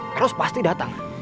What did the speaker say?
heros pasti datang